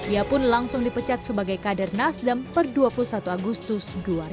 ia pun langsung dipecat sebagai kader nasdem per dua puluh satu agustus dua ribu dua puluh